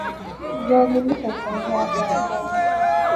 viazi lishe husaidia afya ya ngozi